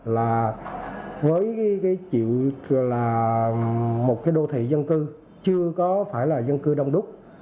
là với một đô thị dân cư chưa có phải là dân cư đông đúc